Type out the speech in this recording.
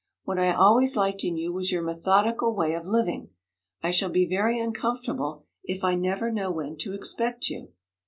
'What I always liked in you was your methodical way of living. I shall be very uncomfortable if I never know when to expect you.'